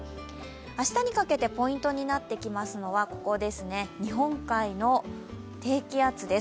明日にかけてポイントになってきますのは、日本海の低気圧です。